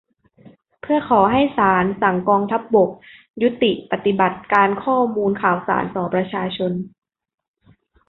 เพื่อขอให้ศาลสั่งกองทัพบกยุติปฏิบัติการข้อมูลข่าวสารต่อประชาชน